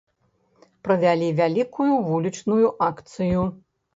Правялі вялікую вулічную акцыю.